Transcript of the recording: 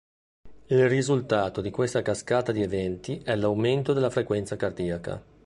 Il risultato di questa cascata di eventi è l'aumento della frequenza cardiaca.